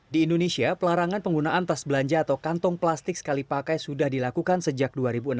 di indonesia pelarangan penggunaan tas belanja atau kantong plastik sekali pakai sudah dilakukan sejak dua ribu enam belas